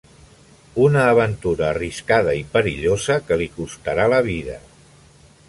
Una aventura arriscada i perillosa que li costarà la vida.